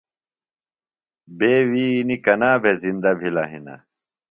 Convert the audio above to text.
بے ویِئ نیۡ کنا بھےۡ زِندہ بِھلہ ہِنہ ؟